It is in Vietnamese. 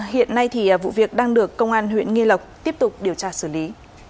hiện nay thì vụ việc đang được công an huyện nghi lộc tiếp tục điều tra xử lý